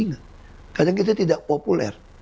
kadang kadang itu tidak populer